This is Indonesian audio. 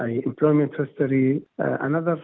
sejarah perusahaan sejarah pekerjaan